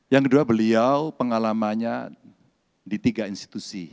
yang kedua beliau pengalamannya di tiga institusi